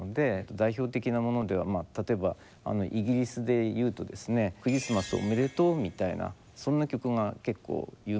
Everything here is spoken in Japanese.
代表的なものでは例えばあのイギリスで言うとですね「クリスマスおめでとう」みたいなそんな曲が結構有名なんですが。